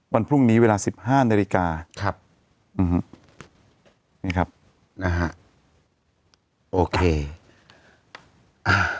วันพรุ่งนี้เวลาสิบห้านาฬิกาครับอืมนี่ครับนะฮะโอเคอ่า